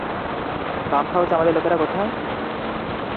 Pump হাউসে আমাদের লোকেরা কোথায়?